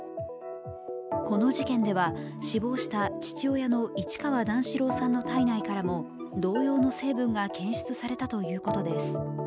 この事件では、死亡した父親の市川段四郎さんの体内からも同様の成分が検出されたということです。